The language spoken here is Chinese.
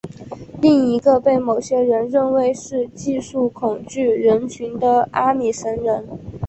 另一个被某些人认为是技术恐惧人群的是阿米什人。